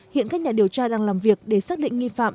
hiện các nhà điều tra đang làm việc để xác định nghi phạm